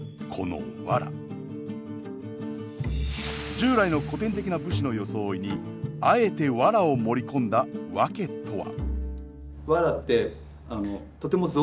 従来の古典的な武士の装いにあえてワラを盛り込んだ訳とは？